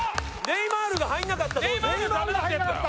ネイマールが入らなかったそうです